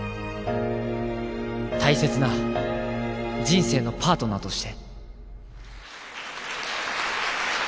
大切な人生のパートナーとして。